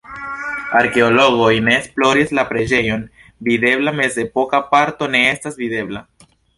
Arkeologoj ne esploris la preĝejon, videbla mezepoka parto ne estas videbla.